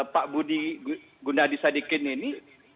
pak budi gundadi sadikin ini